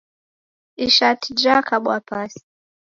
Ishati jakabwa pasi